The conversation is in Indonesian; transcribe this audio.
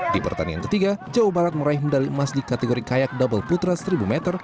di pertandingan ketiga jawa barat meraih medali emas di kategori kayak double putra seribu meter